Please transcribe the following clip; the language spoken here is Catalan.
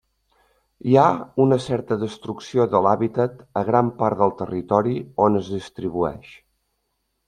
Hi ha una certa destrucció de l'hàbitat a gran part del territori on es distribueix.